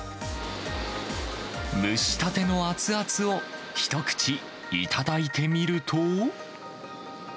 蒸したての熱々を一口、頂いてみると。